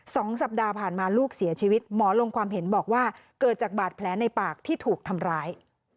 สองสัปดาห์ผ่านมาลูกเสียชีวิตหมอลงความเห็นบอกว่าเกิดจากบาดแผลในปากที่ถูกทำร้าย